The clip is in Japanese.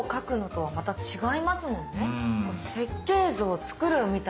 はい。